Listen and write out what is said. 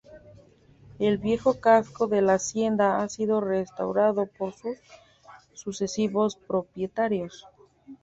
El viejo casco de la hacienda ha sido restaurado por sus sucesivos propietarios.